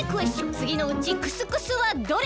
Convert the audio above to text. つぎのうちクスクスはどれ？